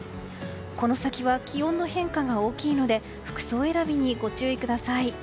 この先は気温の変化が大きいので服装選びにご注意ください。